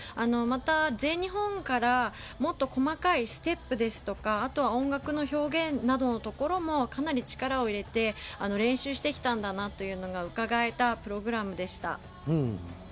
また全日本からもっと細かいステップですとかあとは音楽の表現などのところもかなり力を入れて練習してきたんだなというのがうかがえたプログラムでした。